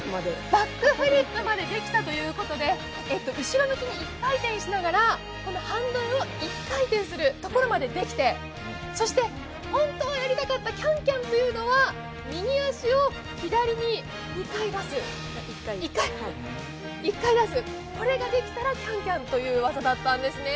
バックフリップまでできたということで、後ろ向きに一回転しながら、ハンドルを一回転するところまでできて、そして本当はやりたかったキャンキャンというのは、左足を一回出すこれができたらキャンキャンという技だったんですね。